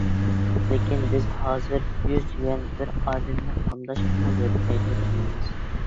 لېكىن بىز ھازىر:يۈز يۈەن بىر ئادەمنى قامداشقىمۇ يەتمەيدۇ دەيمىز.